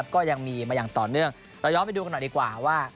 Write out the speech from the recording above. ก็ยังมีมาอย่างต่อเนื่องเราย้อนไปดูกันหน่อยดีกว่าว่า